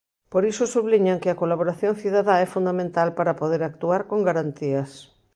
Por iso subliñan que a colaboración cidadá é fundamental para poder actuar con garantías.